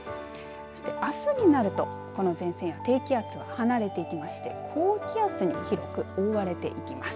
あすになるとこの前線や低気圧は離れていきまして高気圧に広く覆われていきます。